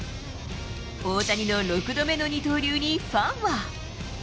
大谷の６度目の二刀流にファンは。